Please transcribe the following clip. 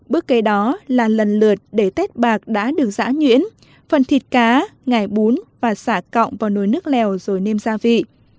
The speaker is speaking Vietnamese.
bước kế đó là lần lượt để tét bạc đã được giã nhuyễn phần thịt cá ngải bún và xả cộng vào nồi nước lèo rồi nêm gia vị